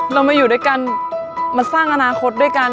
เรามาอยู่ด้วยกันมาสร้างอนาคตด้วยกัน